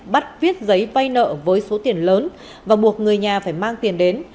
bắt viết giấy vay nợ với số tiền lớn và buộc người nhà phải mang tiền đến